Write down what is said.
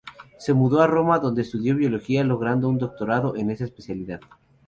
Se mudó a Roma donde estudió biología logrando un doctorado en esa especialidad.